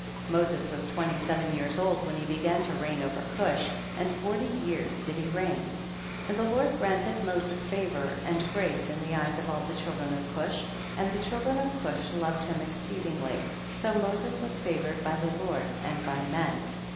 2. Moses was twenty seven years old when he began to reign over Cush, and forty years did he reign. 3. And the Lord granted Moses favor and grace in the eyes of all the children of Cush, and the children of Cush loved him exceedingly, so Mo ses was favored by the Lord and by men.